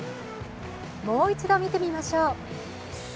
もう一度見てみましょう。